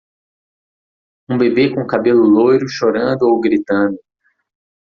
Um bebê com cabelo loiro chorando ou gritando.